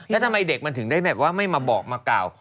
แล้วทำไมเด็กมันถึงได้แบบว่าไม่มาบอกมากล่าว